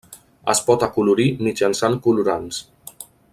Es pot acolorir mitjançant colorants.